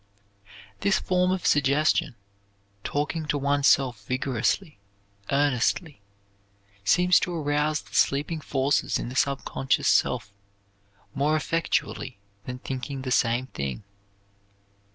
This form of suggestion talking to oneself vigorously, earnestly seems to arouse the sleeping forces in the subconscious self more effectually than thinking the same thing.